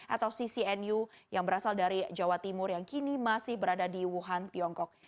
atau ccnu yang berasal dari jawa timur yang kini masih berada di wuhan tiongkok